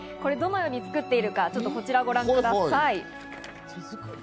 どのように作っているか、こちらをご覧ください。